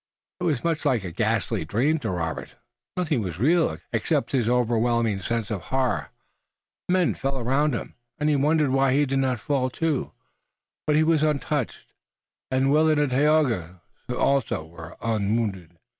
It was much like a ghastly dream to Robert. Nothing was real, except his overwhelming sense of horror. Men fell around him, and he wondered why he did not fall too, but he was untouched, and Willet and Tayoga also were unwounded.